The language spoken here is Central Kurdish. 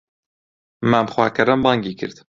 مام خواکەرەم بانگی کرد